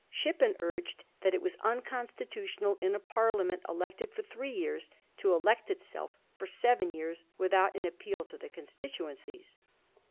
Shippen urged that it was unconstitu tional in a Parliament elected for three years to elect itself for seven years without an appeal to the con stituencies.